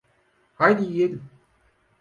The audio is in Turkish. Haydi yiyelim.